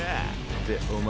ってお前